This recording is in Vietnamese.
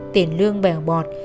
tiền lương bèo bọt